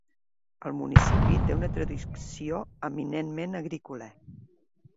El municipi té una tradició eminentment agrícola.